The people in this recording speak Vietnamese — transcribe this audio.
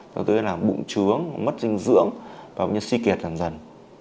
có thể làm bụng trướng mất dinh dưỡng và suy kiệt dần dần